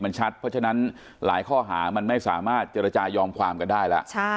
มันชัดเพราะฉะนั้นหลายข้อหามันไม่สามารถเจรจายอมความกันได้แล้ว